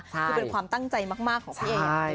คือเป็นความตั้งใจมากของพี่เอก